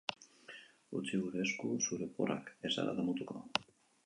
Utzi gure esku zure oporrak, ez zara damutuko!